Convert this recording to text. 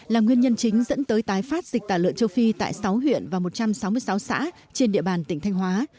là nguyên nhân chính dẫn tới tái phát dịch tả lợn châu phi tại sáu huyện và một trăm sáu mươi sáu xã trên địa bàn tỉnh thanh hóa